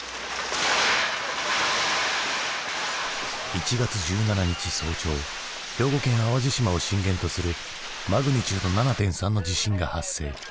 １月１７日早朝兵庫県淡路島を震源とするマグニチュード７．３の地震が発生。